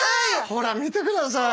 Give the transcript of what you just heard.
ほら見てください。